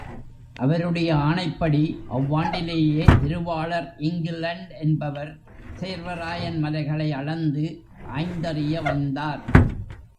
அவருடைய ஆணைப்படி அவ்வாண்டிலேயே திருவாளர் இங்கிலண்ட் என்பவர் சேர்வராயன் மலைகளை அளந்து ஆய்ந்தறிய வந்தார்.